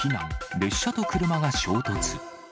列車と車が衝突。